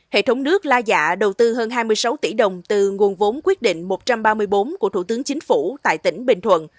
hệ thống nước la dạ đầu tư hơn hai mươi sáu tỷ đồng từ nguồn vốn quyết định một trăm ba mươi bốn của thủ tướng chính phủ tại tỉnh bình thuận